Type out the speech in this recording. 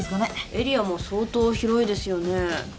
エリアも相当広いですよね。